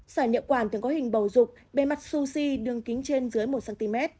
sỏi niệu quản thường có hình bầu rục bề mặt su si đường kính trên dưới một cm